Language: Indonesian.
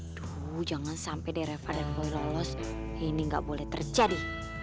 aduh jangan sampai di referendum gue lolos ini gak boleh terjadi